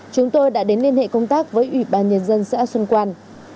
chúng tôi đã đến liên hệ công tác với ủy ban nhân dân xã xuân quan